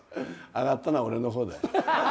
上がったのは俺のほうだ。